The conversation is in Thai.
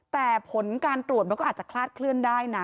แต่ผลการตรวจมันก็อาจจะคลาดเคลื่อนได้นะ